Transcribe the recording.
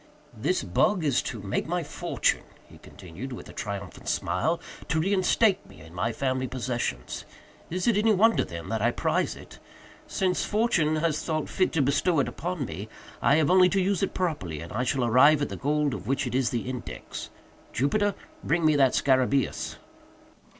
"This bug is to make my fortune," he continued, with a triumphant smile, "to reinstate me in my family possessions. Is it any wonder, then, that I prize it? Since Fortune has thought fit to bestow it upon me, I have only to use it properly and I shall arrive at the gold of which it is the index. Jupiter; bring me that _scarabæus!